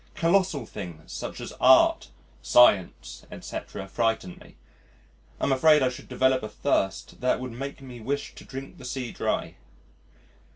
Colossal things such as Art, Science, etc., frighten me. I am afraid I should develop a thirst that would make me wish to drink the sea dry.